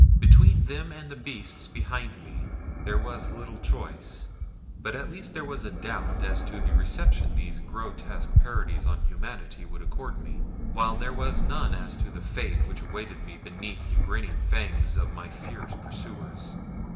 Between them and the beasts behind me there was little choice, but at least there was a doubt as to the reception these grotesque parodies on humanity would accord me, while there was none as to the fate which awaited me beneath the grinning fangs of my fierce pursuers.